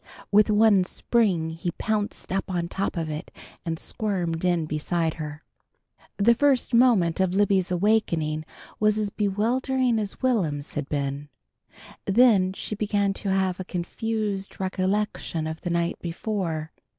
With one spring he pounced up on top of it, and squirmed in beside her. The first moment of Libby's awakening was as bewildering as Will'm's had been. Then she began to have a confused recollection of the night before.